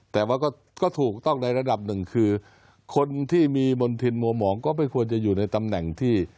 แต่ว่าก็ถูกต้องในระดับหนึ่งคือคนที่มีมณฑินมัวหมองก็ไม่ควรจะอยู่ในตำแหน่งที่